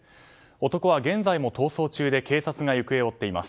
男は現在も逃走中で警察が行方を追っています。